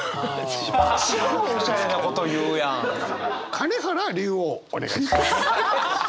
金原竜王お願いします。